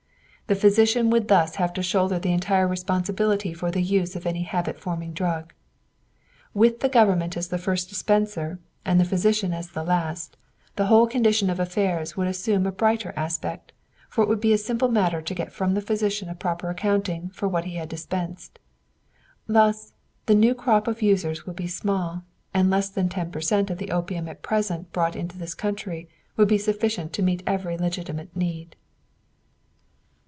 The physician would thus have to shoulder the entire responsibility for the use of any habit forming drug. With the Government as the first distributor and the physician as the last, the whole condition of affairs would assume a brighter aspect, for it would be a simple matter to get from the physician a proper accounting for what he had dispensed. Thus the new crop of users would be small, and less than ten per cent. of the opium at present brought into this country would be sufficient to meet every legitimate need.